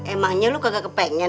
emangnya lu kagak kepengen